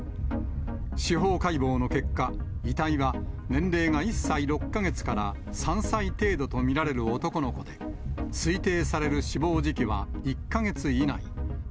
司法解剖の結果、遺体は年齢が１歳６か月から３歳程度と見られる男の子で、推定される死亡時期は１か月以内。